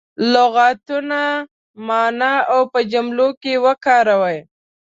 لغتونه معنا او په جملو کې وکاروي.